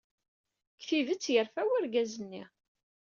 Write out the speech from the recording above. Deg tidet, yerfa wergaz-nni.